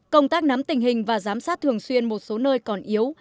công tác nắm tình hình và giám sát thường xuyên một số nơi còn yếu